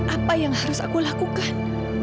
apa yang harus aku lakukan